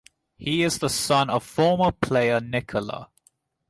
He is the son of former player Nikola.